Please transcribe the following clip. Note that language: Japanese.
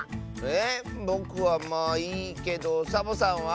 えぼくはまあいいけどサボさんは？